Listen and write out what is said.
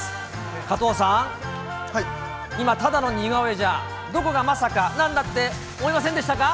加藤さん、今、ただの似顔絵じゃ、どこが、まさかなんだって思いませんでしたか？